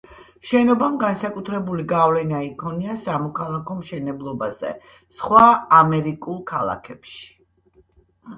შენობამ განსაკუთრებული გავლენა იქონია სამოქალაქო მშენებლობაზე სხვა ამერიკულ ქალაქებში.